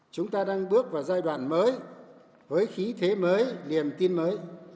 chúng ta đang bước vào giai đoạn mới với khí thế mới niềm tin mới